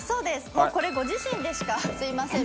もうこれご自身でしかすみません。